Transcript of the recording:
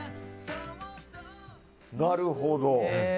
なるほど。